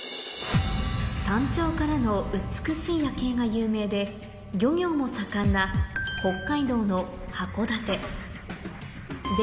山頂からの美しい夜景が有名で漁業も盛んなえっ！